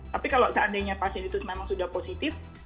tapi kalau seandainya pasien itu memang sudah positif